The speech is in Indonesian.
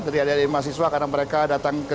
dari adik adik mahasiswa karena mereka datang ke